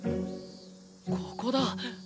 ここだ。